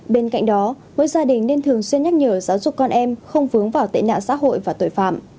bên cạnh đó mỗi gia đình nên thường xuyên nhắc nhở giáo dục con em không vướng vào tệ nạn xã hội và tội phạm